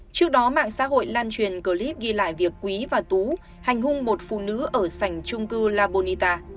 trước đó mạng xã hội lan truyền clip ghi lại việc quý và tú hành hung một phụ nữ ở sảnh chung cư la bonita